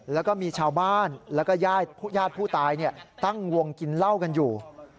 แล้วก็มีชาวบ้านแล้วก็ญาติผู้ตายตั้งวงกินเหล้ากันอยู่